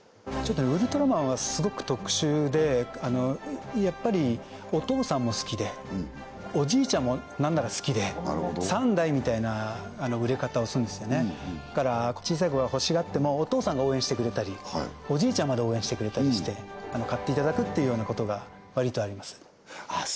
ウルトラマンはスゴく特殊でやっぱりお父さんも好きでおじいちゃんもなんだか好きでなるほど３代みたいな売れ方をするんですよねだから小さい子が欲しがってもお父さんが応援してくれたりおじいちゃんまで応援してくれたりして買っていただくっていうようなことが割とありますあっ